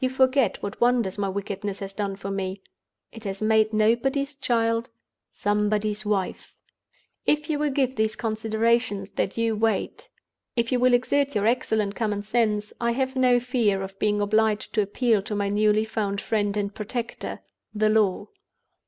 You forget what wonders my wickedness has done for me. It has made Nobody's Child Somebody's Wife. "If you will give these considerations their due weight; if you will exert your excellent common sense, I have no fear of being obliged to appeal to my newly found friend and protector—the law.